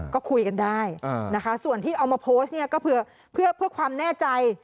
ก็คุยกันได้ส่วนที่เอามาโพสต์ก็เพื่อความแน่ใจ